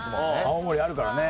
青森あるからね。